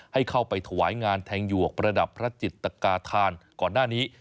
ให้เข้าไปถวายงานแทงหยวกประดับพระจิตกาธานก่อนหน้านี้